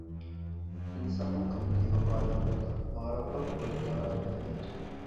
ئىنساننىڭ قىممىتى ۋاپادارلىقتا، ۋاراقلاپ كۆر تارىخ بىتىنى ئىچىپ.